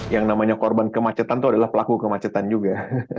yang namanya korban kemacetan itu adalah pelaku kemacetan juga